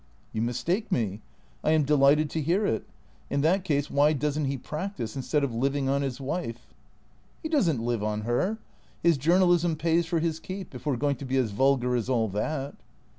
" You mistake me. I am delighted to hear it. In that case, why does n't he practise, instead of living on his wife ?"" He does n't live on her. His journalism pays for his keep — if we 're going to be as vulgar as all that."